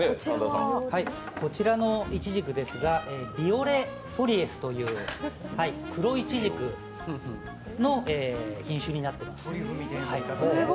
こちらのイチジクですがビオレ・ソリエスという黒イチジクの品種になっています。